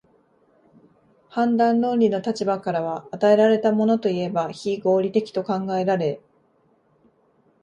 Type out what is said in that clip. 判断論理の立場からは、与えられたものといえば非合理的と考えられ、